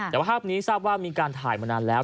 แต่ว่าภาพนี้ทราบว่ามีการถ่ายมานานแล้ว